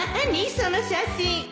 その写真